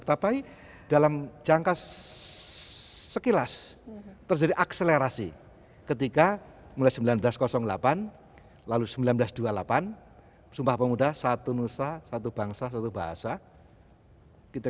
tapi dalam jangka sekilas terjadi akselerasi ketika mulai seribu sembilan ratus delapan lalu seribu sembilan ratus dua puluh delapan sumpah pemuda satu nusa satu bangsa satu bahasa kita